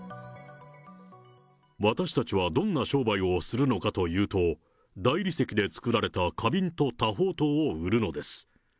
私たちはどんな商売をするのかというと、大理石で作られた花瓶と多宝塔を売るのです。